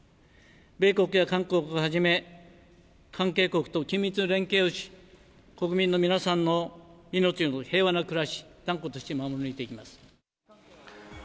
米国や韓国をはじめ、関係国と緊密な連携をし、国民の皆さんの命と平和な暮らしを断固として守り抜いていきます。